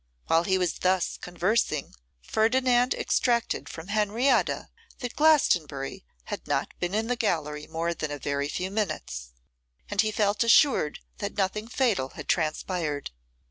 While he was thus conversing, Ferdinand extracted from Henrietta that Glastonbury had not been in the gallery more than a very few minutes; and he felt assured that nothing fatal had transpired.